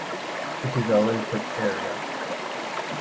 It is a well kept area.